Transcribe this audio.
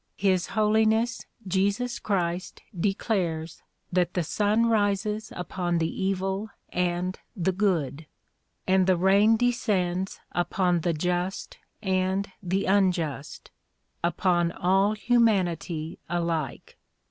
His Holiness Jesus Christ de clares that the sun rises upon the evil and the good, and the rain descends upon the just and the unjust, — upon all humanity alike.